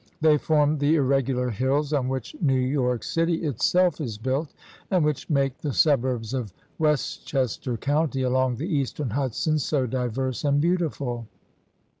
They form the irregular hills on which New York City itself is built and which make the suburbs of Westchester County along the eastern Hudson so diverse and beautiful.